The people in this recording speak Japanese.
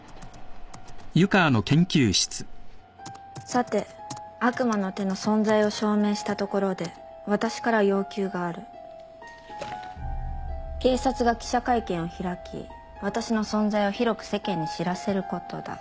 「さて悪魔の手の存在を証明したところで私から要求がある」「警察が記者会見を開き私の存在を広く世間に知らせることだ」